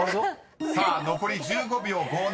［残り１５秒５７。